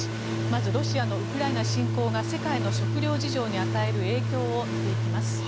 まずロシアのウクライナ侵攻が世界の食糧事情に与える影響を見ていきます。